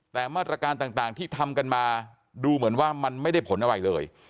แต่มาตรการต่างที่ทำกันมาดูเหมือนว่ามันไม่ได้ผลอะไรเลย